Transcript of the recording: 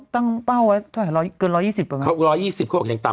ตั้งเบ้าไว้เกินร้อยยี่สิบประกันร้อยยี่สิบเขาออกอย่างต่ำ